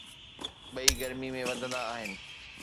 ٻئي گرمي ۾ وڌندا آهن